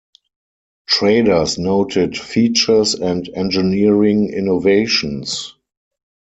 Traders noted features and engineering innovations.